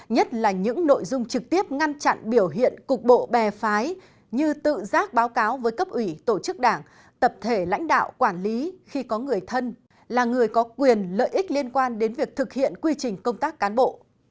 nhất là những nội dung trực tiếp ngăn chặn biểu hiện cục bộ bè phái như tự giác báo cáo với cấp ủy tổ chức đảng tập thể lãnh đạo quản lý khi có người thân là người có quyền lợi ích liên quan đến việc thực hiện quy trình công tác cán bộ